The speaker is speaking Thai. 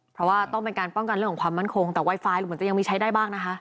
เพราะว่าต้องเป็นการป้องกันเรื่องของความมั่นคงแต่ไวไฟเหมือนจะยังมีใช้ได้บ้างนะคะ